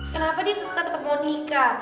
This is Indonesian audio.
kenapa dia tetep mau nikah